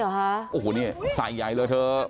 โอ้โหนี่ใส่ใหญ่เลยเธอ